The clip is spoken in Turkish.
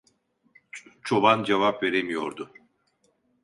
Çoban cevap veremiyordu.